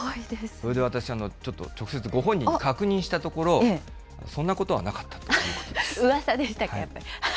それで私、ちょっと直接ご本人に確認したところ、そんなことうわさでしたか、やっぱり。